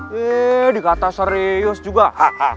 hah hah dikata serius juga hah hah